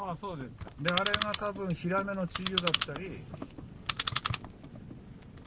あれが多分ヒラメの稚魚だったり。